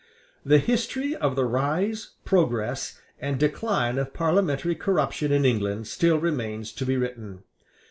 The history of the rise, progress, and decline of parliamentary corruption in England still remains to be written.